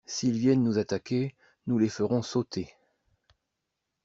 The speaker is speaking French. S'ils viennent nous attaquer Nous les ferons sauter.